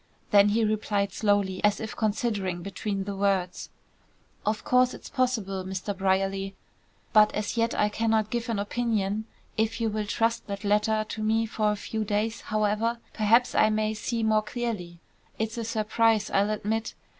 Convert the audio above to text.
Then he replied slowly as if considering between the words. "Of course it's possible, Mr. Brierly, but as yet I cannot give an opinion. If you will trust that letter to me for a few days, however, perhaps I may see more clearly. It's a surprise, I'll admit.